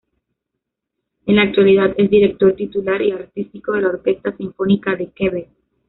En la actualidad, es Director titular y artístico de la Orquesta Sinfónica de Quebec.